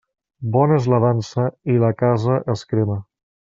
Bona és la dansa, i la casa es crema.